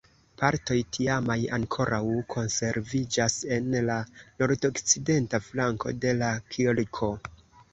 Partoj tiamaj ankoraŭ konserviĝas en la nordokcidenta flanko de la kirko.